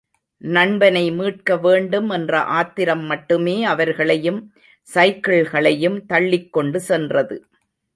நண்பனை மீட்க வேண்டும் என்ற ஆத்திரம் மட்டுமே அவர்களையும் சைக்கிள்களையும் தள்ளிக்கொண்டு சென்றது.